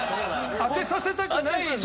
当てさせたくない体で。